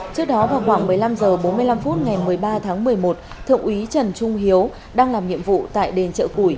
trước đó vào khoảng một mươi năm h bốn mươi năm phút ngày một mươi ba tháng một mươi một thượng úy trần trung hiếu đang làm nhiệm vụ tại đền chợ củi